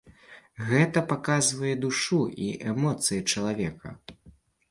Гэта паказвае душу і эмоцыі чалавека.